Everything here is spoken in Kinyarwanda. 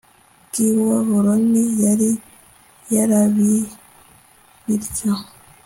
bw i babuloni yari yarabi bityo